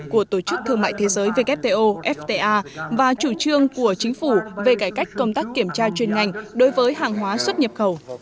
của tổ chức thương mại thế giới wto fta và chủ trương của chính phủ về cải cách công tác kiểm tra chuyên ngành đối với hàng hóa xuất nhập khẩu